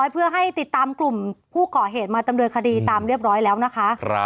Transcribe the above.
ผู้ก่อเหตุมาตำเดินคดีตามเรียบร้อยแล้วนะคะ